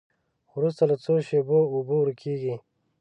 وروسته له څو شېبو اوبه ورکیږي.